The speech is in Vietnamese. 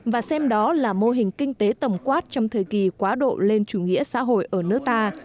và xem đó là mô hình kinh tế tầm quát trong thời kỳ quá độ lên chủ nghĩa xã hội ở nước ta